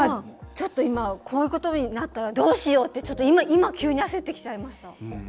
こういうことになったらどうしようって今、急に焦ってきちゃいました。